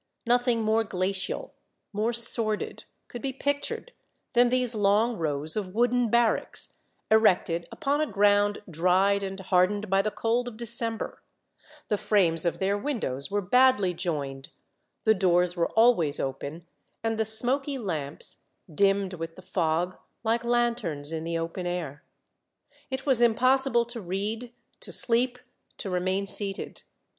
Nothing more glacial, more sordid, could be pictured than these long rows of wooden barracks, erected upon a ground dried and hard ened by the cold of December; the frames of their windows were badly joined, the doors were always open, and the smoky lamps dimmed with the fog, like lanterns in the open air. It was im possible to read, to sleep, to remain seated.